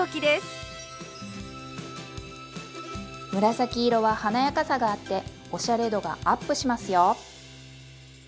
紫色は華やかさがあっておしゃれ度がアップしますよ。